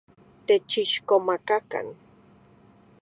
Techixkomakakan.